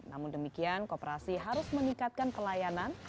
namun demikian kooperasi harus meningkatkan pelayanan